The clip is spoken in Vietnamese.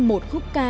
một khúc ca